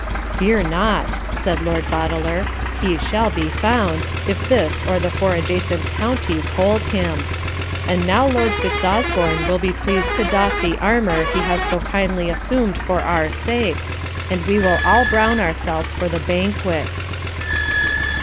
'Fear not,' said Lord Boteler, 'he shall be found, if this or the four adjacent counties hold him. And now Lord Fitzosborne will be pleased to doff the armour he has so kindly assumed for our sakes, and we will all bowne ourselves for the banquet.'